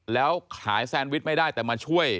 แล้วขายแซนวิชไม่ได้แต่มาช่วย